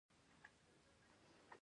آیا دا پروژه د سوداګرۍ لپاره مهمه نه ده؟